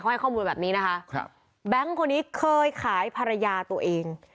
ให้ข้อมูลแบบนี้นะคะครับแบงค์คนนี้เคยขายภรรยาตัวเอง